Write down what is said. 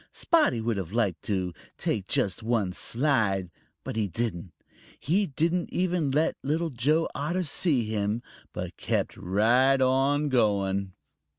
Spotty would have liked to take just one slide, but he didn't. He didn't even let Little Joe Otter see him, but kept right on going.